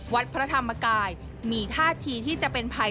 วัดพระธรรมกายมีท่าทีที่จะเป็นภัย